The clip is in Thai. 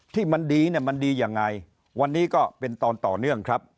ที่มันดีเนี่ยมันดียังไงวันนี้ก็เป็นตอนต่อเนื่องครับ